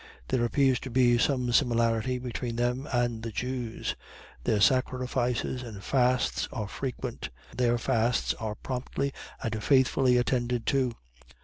There appears to be some similarity between them and the Jews. Their sacrifices and fasts are frequent. Their fasts are promptly and faithfully attended to.